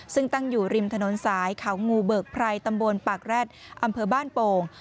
ซึ่งตั้งอยู่ริมถนนสายเขางูเบิกไพรตำบลปากแร็ดอำเภอบ้านโป่ง